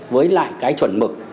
với lại cái chuẩn mực